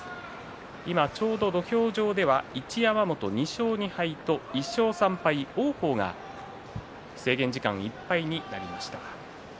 土俵上では一山本２勝２敗と１勝３敗の王鵬が制限時間いっぱいになりました。